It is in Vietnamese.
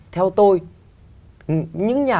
theo tôi những nhà